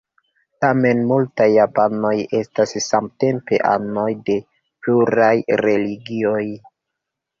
Tamen multaj japanoj estas samtempe anoj de pluraj religioj.